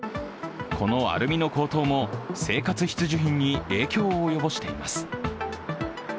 このアルミの高騰も生活必需品に影響を及ぼしています。